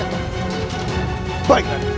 baik hari ini